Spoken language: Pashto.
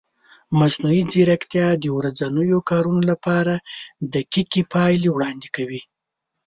مصنوعي ځیرکتیا د ورځنیو کارونو لپاره دقیقې پایلې وړاندې کوي.